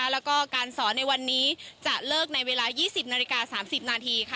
แล้วก็การสอนในวันนี้จะเลิกในเวลา๒๐นาฬิกา๓๐นาที